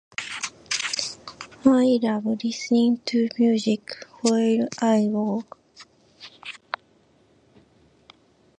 I love listening to music while I work.